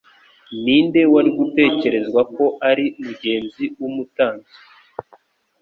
Ni nde wari gutekerezwa ko ari mugenzi w'umutambyi